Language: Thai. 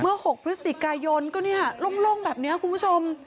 ๖พฤศจิกายนก็เนี่ยโล่งแบบนี้คุณผู้ชม